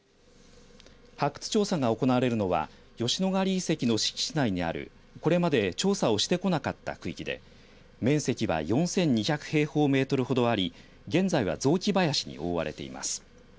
発掘調査が行われるのは吉野ヶ里遺跡の敷地内にあるこれまで調査をしてこなかった区域で面積は４２００平方メートルほどあり現在は雑木林に覆われています。